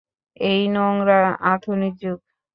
এই নোংরা আধুনিক যুগ!